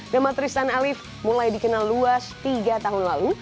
nama tristan alif mulai dikenal luas tiga tahun lalu